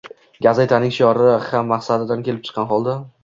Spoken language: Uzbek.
Gazetaning shiori ham maqsadidan kelib chiqqan holda